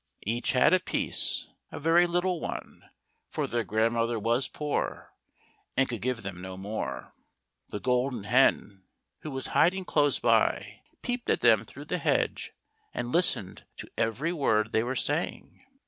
Each had a piece, a very little one, for their grandmother was poor, and could give them no more. The Golden Hen, who was hiding close by, peeped at them through the hedge, and listened to every word they were saying.